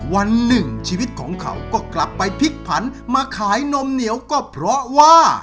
วันหนึ่งชีวิตของเขาก็กลับไปพลิกผันมาขายนมเหนียวก็เพราะว่า